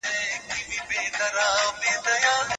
قزلباشو په هرات کې د ابدالیانو اطاعت کاوه.